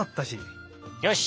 よし！